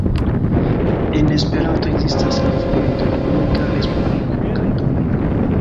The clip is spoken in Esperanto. En Esperanto ekzistas la formoj "Dominika Respubliko" kaj "Domingo".